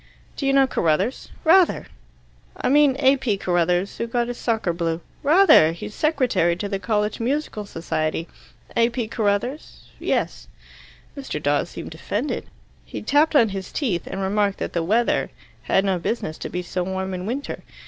"Do you know Carruthers?" "Rather!" "I mean A. P. Carruthers, who got his socker blue." "Rather! He's secretary to the college musical society." "A. P. Carruthers?" "Yes." Mr. Dawes seemed offended. He tapped on his teeth, and remarked that the weather bad no business to be so warm in winter.